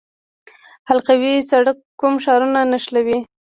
حلقوي سړک کوم ښارونه نښلوي؟